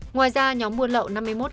ngoài ra nhóm buôn lậu năm mươi một